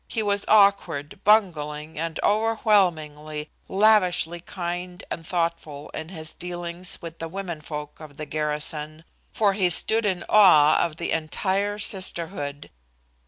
He was awkward, bungling and overwhelmingly, lavishly, kind and thoughtful in his dealings with the womenfolk of the garrison, for he stood in awe of the entire sisterhood.